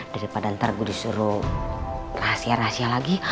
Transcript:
daripada ntar gue disuruh rahasia rahasia lagi